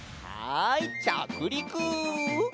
はいちゃくりく。